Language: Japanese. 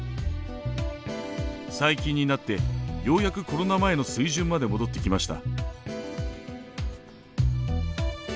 最近になってようやくコロナ前の水準まで戻ってきました。